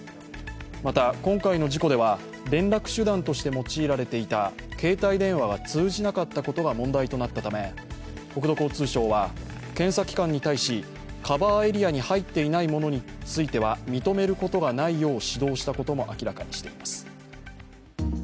また今回の事故では連絡手段として用いられていた携帯電話が通じなかったことが問題となったため、国土交通省は検査機関に対し、カバーエリアに入っていないものについては認めることがないよう指導したことも明らかにしています。